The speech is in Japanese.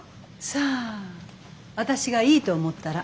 さあ私がいいと思ったら。